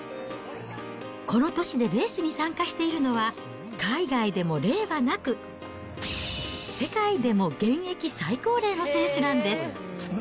この年でレースに参加しているのは、海外でも例はなく、世界でも現役最高齢の選手なんです。